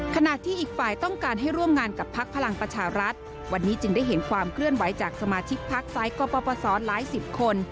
ขณะที่อีกฝ่ายต้องการให้ร่วมงานกับพักพลังประชารัฐวันนี้จึงได้เห็นความเคลื่อนไหวจากสมาชิกพักไซส์กปศหลายสิบคน